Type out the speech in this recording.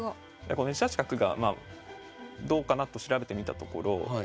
この１八角がどうかなと調べてみたところ。